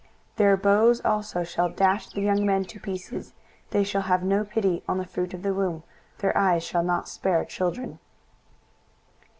23:013:018 Their bows also shall dash the young men to pieces; and they shall have no pity on the fruit of the womb; their eyes shall not spare children.